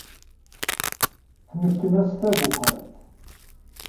Tmekken-as tabuqalt.